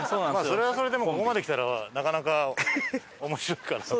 それはそれでここまできたらなかなか面白いからさ。